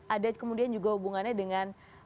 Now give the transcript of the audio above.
ada kemudian juga hubungannya dengan